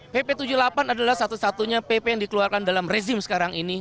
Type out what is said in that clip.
pp tujuh puluh delapan adalah satu satunya pp yang dikeluarkan dalam rezim sekarang ini